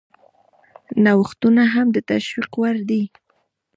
نوښتونه هم د تشویق وړ دي.